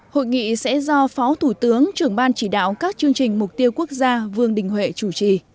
hội nghị sẽ do phó thủ tướng trưởng ban chỉ đạo các chương trình mục tiêu quốc gia vương đình huệ chủ trì